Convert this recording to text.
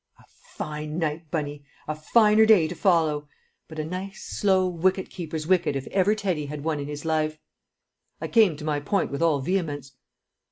"A fine night, Bunny! A finer day to follow! But a nice, slow, wicket keeper's wicket if ever Teddy had one in his life!" I came to my point with all vehemence.